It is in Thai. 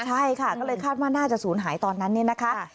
ใช่ค่ะก็เลยคาดว่าน่าจะศูนย์หายตอนนั้นเนี่ยนะคะ